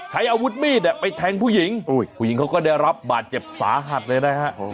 ใช้อาวุธมีดไปแทงผู้หญิงผู้หญิงเขาก็ได้รับบาดเจ็บสาหัสเลยนะฮะ